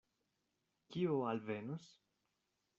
Kio alvenos?